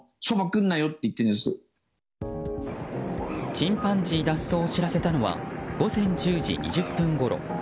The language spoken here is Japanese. チンパンジー脱走を知らせたのは午前１０時２０分ごろ。